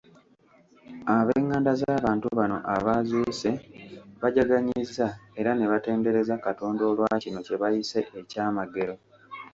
Ab’enganda z’abantu bano abaazuuse bajaganyizza era ne batendereza Katonda olwa kino kye bayise ekyamagero.